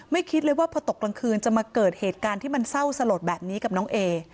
คิดเลยว่าพอตกกลางคืนจะมาเกิดเหตุการณ์ที่มันเศร้าสลดแบบนี้กับน้องเอ